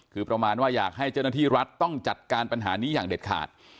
คือประมาณว่าอยากให้เจ้าหน้าที่รัฐต้องจัดการปัญหานี้อย่างเด็ดขาด